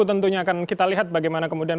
tentunya akan kita lihat bagaimana kemudian